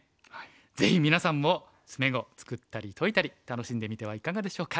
ぜひみなさんも詰碁つくったり解いたり楽しんでみてはいかがでしょうか。